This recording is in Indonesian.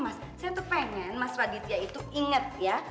bukan apa apa mas saya tuh pengen mas raditya itu inget ya